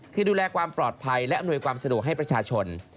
คือดูแลความปลอดภัยและอำนวยความสะดวกให้ประชาชน